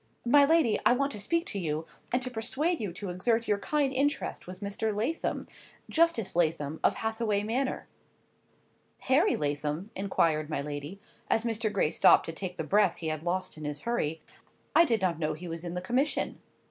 "My lady, I want to speak to you, and to persuade you to exert your kind interest with Mr. Lathom—Justice Lathom, of Hathaway Manor—" "Harry Lathom?" inquired my lady,—as Mr. Gray stopped to take the breath he had lost in his hurry,—"I did not know he was in the commission."